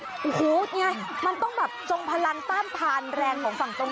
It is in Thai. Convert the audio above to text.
โอ้โฮมันต้องแบบจงพลันตามทานแรงของฝั่งตรงข้ามขนาดไหนดูจากหน้ามันคือสิบแข่งศักดิ์ศรีท้องจริง